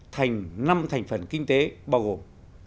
thành năm thành phần kinh tế bao gồm